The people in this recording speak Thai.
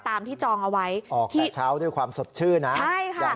ตามที่จองเอาไว้ออกแต่เช้าด้วยความสดชื่นนะใช่ค่ะอย่าง